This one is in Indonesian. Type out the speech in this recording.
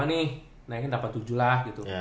naikin delapan puluh tujuh lah gitu